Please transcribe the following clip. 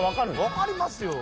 分かりますよ。